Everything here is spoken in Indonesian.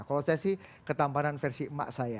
kalau saya sih ketampanan versi emak saya